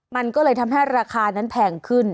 มันก็เลยทำให้ราคานั้นแพงขึ้น